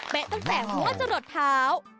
เปะตั้งแต่หัวจรดเท้า